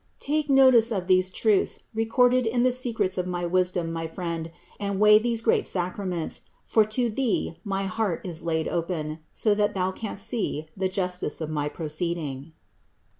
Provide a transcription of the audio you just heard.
56 CITY OF GOD Take notice of these truths recorded in the secrets of my wisdom, my Friend, and weigh these great sacraments; for to thee my heart is laid open, so that thou canst see the justice of my proceeding."